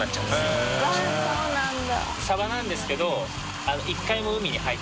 へぇそうなんだ。